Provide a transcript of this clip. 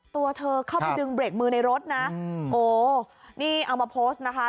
ตัวเธอเข้าไปดึงเบรกมือในรถนะโอ้นี่เอามาโพสต์นะคะ